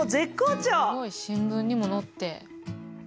新聞にも載って。